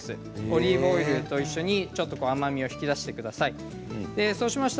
オリーブオイルと一緒に甘みを引き出しています。